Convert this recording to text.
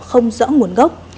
không rõ nguồn gốc